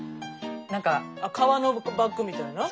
何か革のバッグみたいな？